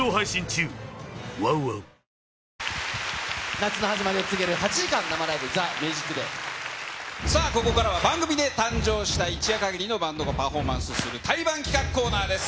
夏の始まりを告げる８時間生ライブ、さあここからは、番組で誕生した、一夜限りのバンドがパフォーマンスする、対バン企画コーナーです。